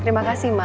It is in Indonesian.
terima kasih mas